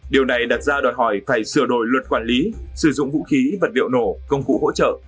điều này đặt ra đòi hỏi phải sửa đổi luật quản lý sử dụng vũ khí vật liệu nổ công cụ hỗ trợ